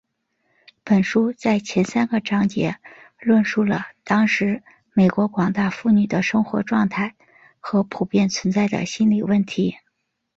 本书在前三个章节论述了当时美国广大妇女的生活状态和普遍存在的心理问题。